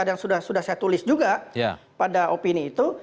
dan sudah saya tulis juga pada opini itu